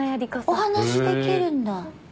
お話できるんだ。